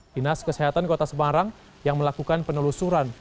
dinas kesehatan kota semarang yang melakukan penelusuran